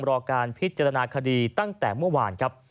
รอการพิจารณาคดีตั้งแต่เมื่อวานครับ